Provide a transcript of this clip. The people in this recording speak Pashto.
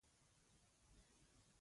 د حاصلاتو ذخیره کول د اقتصاد ملاتړ کوي.